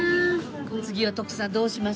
次は徳さんどうしましょうか？